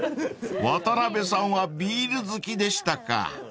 ［渡辺さんはビール好きでしたか］